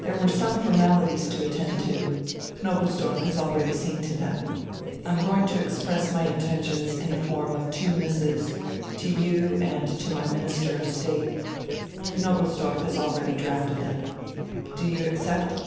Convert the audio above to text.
There were some formalities to attend to. Knobelsdorff has already seen to them. I'm going to express my intentions in the form of two missives to you and to my Minister of State. Knobelsdorff has already drafted them. Do you accept?"